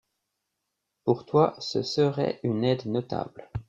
Pour toi, ce serait une aide notable.